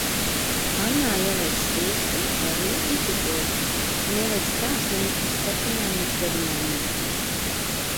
Pannā ieliec sviestu, eļļu un ķiplokus un ieliec krāsnī uz septiņām līdz deviņām minūtēm.